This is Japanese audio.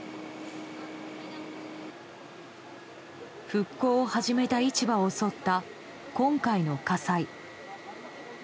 復興を始めた市場を襲った今回の火災。